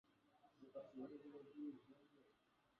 ugonjwa wa virusi vya homa ya ini una dalili mbalimbali